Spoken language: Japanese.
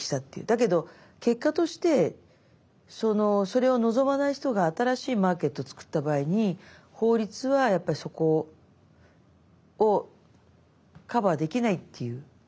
だけど結果としてそれを望まない人が新しいマーケットを作った場合に法律はやっぱりそこをカバーできないっていう懸念もありますよね。